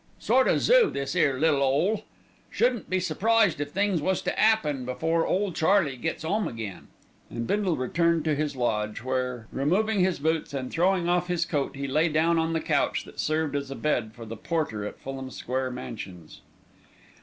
Sort o' zoo this 'ere little 'ole. Shouldn't be surprised if things was to 'appen before Ole Charlie gets 'ome again!" and Bindle returned to his lodge, where, removing his boots and throwing off his coat, he lay down on the couch that served as a bed for the porter at Fulham Square Mansions.